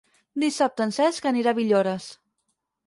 Dissabte en Cesc anirà a Villores.